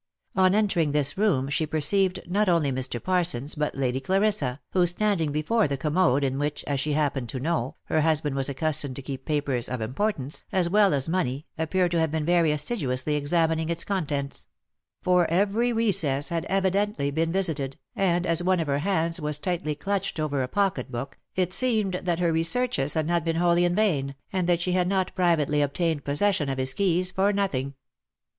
On entering this room she perceived not only Mr. Parsons but Lady Clarissa, who, standing before the commode in which, as she happened to know, her husband was accustomed to keep papers of importance, as well as money, appeared to have been very assiduously examining its con tents ; for every recess had evidently been visited, and, as one of her hands was tightly clutched over a pocket book, it seemed that her re searches had not been wholly in vain, and that she had not privately obtained possession of his keys for nothing.